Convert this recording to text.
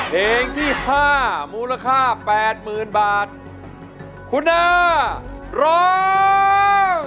เพลงที่ห้ามูลค่าแปดหมื่นบาทคุณอาร้อง